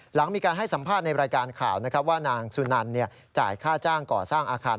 หลังมีการให้สัมภาษณ์ในรายการข่าวนะครับว่านางสุนันจ่ายค่าจ้างก่อสร้างอาคาร